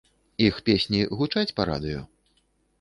Іх песні гучаць па радыё?